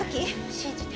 信じて。